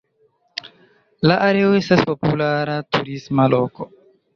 La areo estas populara turisma loko.